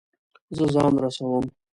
زه ځان رسوم